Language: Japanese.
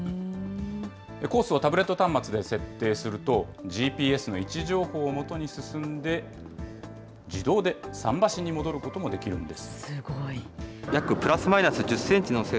コースをタブレット端末で設定すると、ＧＰＳの位置情報をもとに進んで、自動で桟橋に戻ることもできるんです。